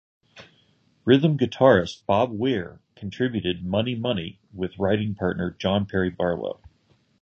Rhythm guitarist Bob Weir contributed "Money Money" with writing partner John Perry Barlow.